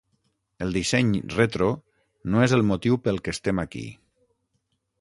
El disseny retro no és el motiu pel que estem aquí.